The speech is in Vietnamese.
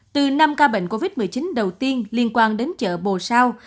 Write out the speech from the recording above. từ năm ca bệnh covid một mươi chín đầu tiên liên quan đến chợ bồ sao